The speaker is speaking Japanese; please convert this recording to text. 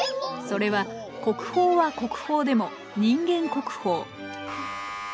それは国宝は国宝でも人間国宝。